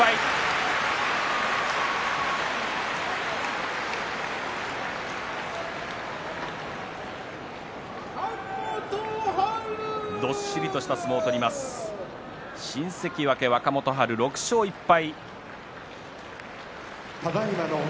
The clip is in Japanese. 拍手どっしりとした相撲を取ります新関脇、若元春、６勝１敗。